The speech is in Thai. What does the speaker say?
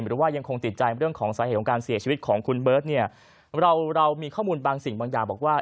หรือว่ายังคงติดใจเรื่องของสาเหตุของการเสียชีวิตของคุณเบิร์ตเนี่ยเราเรามีข้อมูลบางสิ่งบางอย่างบอกว่า